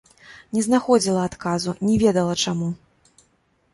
Не знаходзіла адказу, не ведала чаму.